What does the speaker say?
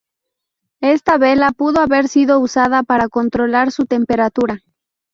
Esta vela pudo haber sido usada para controlar su temperatura.